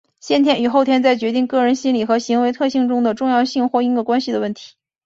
先天与后天在决定个人心理和行为特性中的重要性或因果关系的问题。